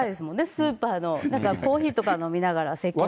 スーパーのなんかコーヒーとか飲みながら接客して。